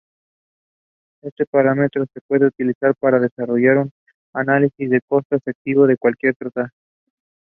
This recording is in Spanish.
Este parámetro se puede utilizar para desarrollar un análisis de costo-efectividad de cualquier tratamiento.